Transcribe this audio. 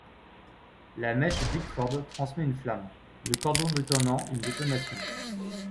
La mèche Bickford transmet une flamme, le cordeau détonant une détonation.